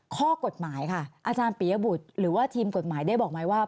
ข้อกฎหมายค่ะอาจารย์ปียบุตรหรือว่าทีมกฎหมายได้บอกไหมว่า